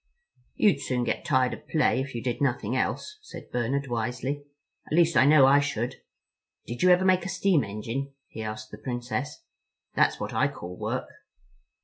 "You'd soon get tired of play if you did nothing else," said Bernard wisely. "At least I know I should. Did you ever make a steam engine?" he asked the Princess. "That's what I call work."